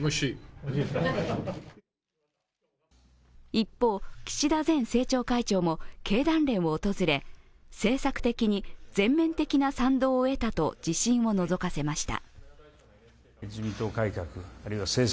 一方、岸田前政調会長も経団連を訪れ政策的に全面的な賛同を得たと自信をのぞかせました。